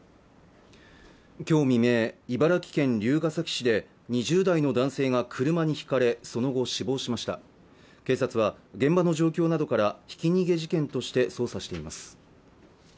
今日未明、茨城県龍ケ崎市で２０代の男性が車にひかれその後死亡しました警察は現場の状況などからひき逃げ事件として捜査しています